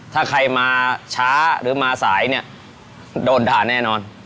ถ้าใครมาช้าหรือมาสายเนี่ยโดนด่าแน่นอน